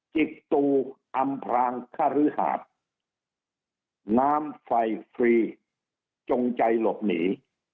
จิกตูอำพรางคฤหาดน้ำไฟฟรีจงใจหลบหนี